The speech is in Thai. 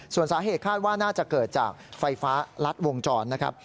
ส่วนสาเหตุคาดว่าน่าจะเกิดจากไฟฟ้ารัดวงจรนะครับ